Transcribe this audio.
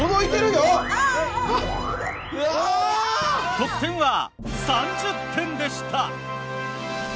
得点は３０点でした。